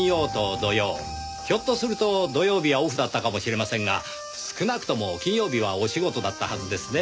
ひょっとすると土曜日はオフだったかもしれませんが少なくとも金曜日はお仕事だったはずですねぇ。